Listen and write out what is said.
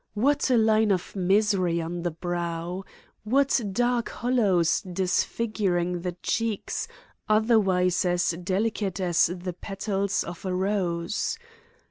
What a line of misery on the brow! What dark hollows disfiguring cheeks otherwise as delicate as the petals of a rose!